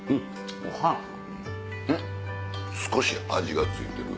少し味が付いてる。